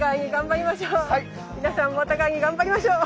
皆さんもお互いに頑張りましょう！